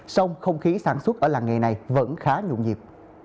sông không khí sản xuất ở làng nghề này vẫn khá nhộn nhịp